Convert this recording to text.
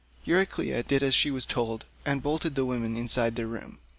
Euryclea did as she was told, and bolted the women inside their room.